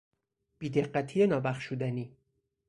بیدقتی نابخشودنی